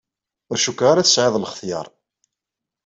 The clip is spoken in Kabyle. Ur cukkeɣ ara tesɛiḍ lxetyar.